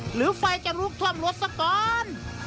หรือไฟจะลุกท่วมรถซะก่อน